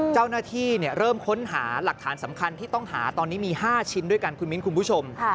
เจ้าหน้าที่เริ่มค้นหาหลักฐานสำคัญที่ต้องหาตอนนี้มี๕ชิ้นด้วยกันคุณมิ้นคุณผู้ชม